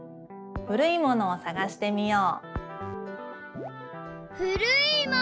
「古いものをさがしてみよう」。